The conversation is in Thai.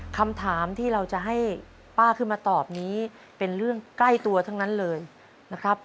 คำถามที่เราจะให้ป้าขึ้นมาตอบนี้เป็นเรื่องใกล้ตัวทั้งนั้นเลยนะครับ